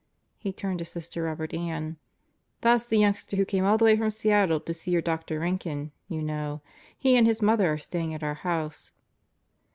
He turned to Sister Robert Ann. "That's the youngster who came all the way from Seattle to see your Dr. Rankin, you know. He and his mother are staying at our house."